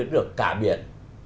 ta thấy được cả biển